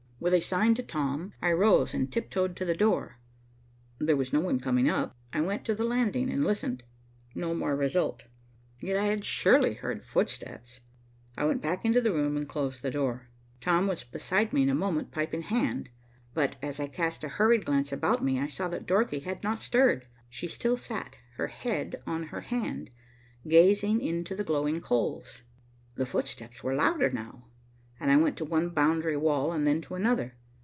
With a sign to Tom, I rose and tiptoed to the door. There was no one coming up. I went to the landing and listened. No more result. Yet I had surely heard footsteps. I went back into the room and closed the door. Tom was beside me in a moment, pipe in hand, but, as I cast a hurried glance about me, I saw that Dorothy had not stirred. She still sat, her head on her hand, gazing into the glowing coals. The footsteps were louder now, and I went to one boundary wall and then to another.